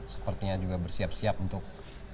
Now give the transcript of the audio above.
sepertinya juga bersiap siap untuk